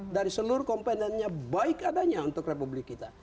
dari seluruh komponennya baik adanya untuk republik kita